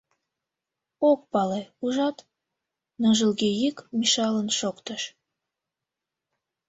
— Ок пале, ужат? — ныжылге йӱк Мишалан шоктыш.